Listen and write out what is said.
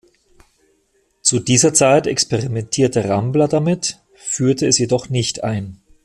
Zu dieser Zeit experimentierte Rambler damit, führte es jedoch nicht ein.